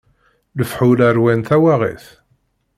Lefḥul ṛwan tawaɣit.